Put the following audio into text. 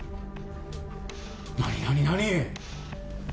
何何何⁉